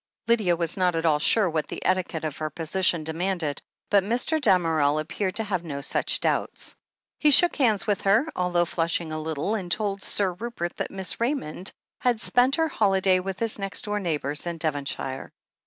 Lydia was not at all sure what the etiquette of her position demanded, but Mr. Dam erel appeared to have no such doubts. He shook hands with her, although flushing a little, and told Sir Rupert that Miss Raymond had spent her holiday with his next door neighbours in Devonshire.